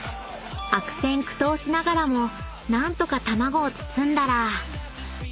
［悪戦苦闘しながらも何とか卵を包んだら］